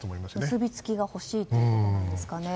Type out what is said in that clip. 結び付きが欲しいということなんですかね。